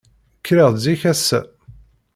Kkreɣ-d zik ass-a.